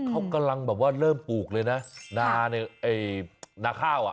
เขากำลังแบบว่าเริ่มปลูกเลยนะนาเนี่ยไอ้นาข้าวอ่ะ